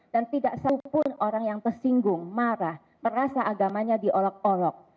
dan tidak satupun orang yang tersinggung marah merasa agamanya diolok olok